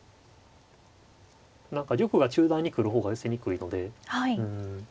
何か玉が中段に来る方が寄せにくいので。